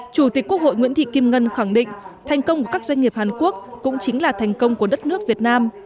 chủ tịch quốc hội nguyễn thị kim ngân khẳng định thành công của các doanh nghiệp hàn quốc cũng chính là thành công của đất nước việt nam